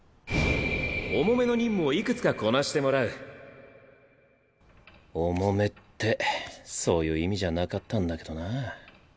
重めの任務をいくつかこなしてもらう重めってそういう意味じゃなかったんだけどなぁ。